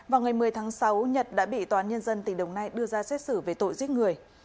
vào ngày một mươi tháng sáu nhật đã bị tòa án nhân dân tỉnh đồng nai đưa ra xét xử về tội giết người